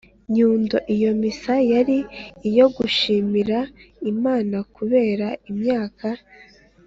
nyundo iyo missa yari iyo gushimira imana kubera imyaka